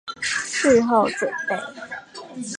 事後準備